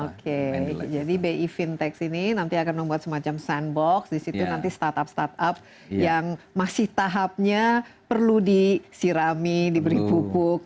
oke jadi bi fintech ini nanti akan membuat semacam sand box di situ nanti start up start up yang masih tahapnya perlu disirami diberi pupuk